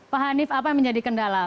pak hanif apa yang menjadi kendala